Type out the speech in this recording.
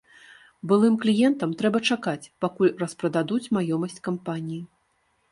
Былым кліентам трэба чакаць, пакуль распрададуць маёмасць кампаніі.